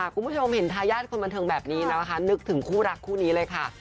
คุณผู้ชมเห็นทายาทคนบันเทิงแบบนี้นะคะนึกถึงคู่รักคู่นี้เลยค่ะ